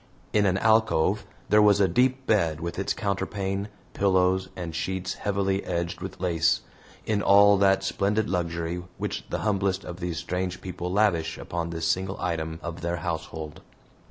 In an alcove there was a deep bed with its counterpane, pillows, and sheets heavily edged with lace, in all that splendid luxury which the humblest of these strange people lavish upon this single item of their household.